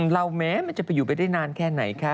สำหรับพี่ลูกแก้วฮะ